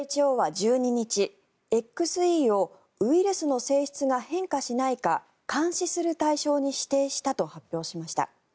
ＷＨＯは１２日、ＸＥをウイルスの性質が変化しないか監視する対象に指定したと発表しました。